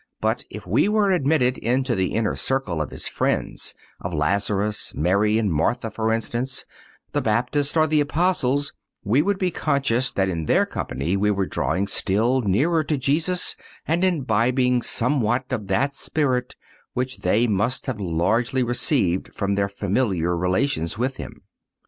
But if we were admitted into the inner circle of His friends—of Lazarus, Mary and Martha, for instance—the Baptist or the Apostles, we would be conscious that in their company we were drawing still nearer to Jesus and imbibing somewhat of that spirit which they must have largely received from their familiar relations with Him.